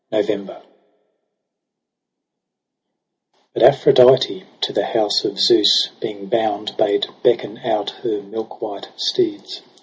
g NOVEMBER | I "DUT Aphrodite to the house of Zeus Being bound, bade beckon out her milkwhite steeds.